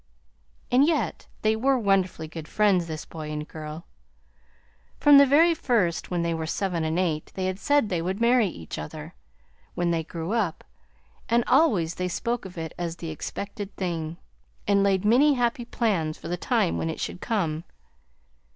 "And yet they were wonderfully good friends this boy and girl. From the very first, when they were seven and eight, they had said that they would marry each other when they grew up, and always they spoke of it as the expected thing, and laid many happy plans for the time when it should come.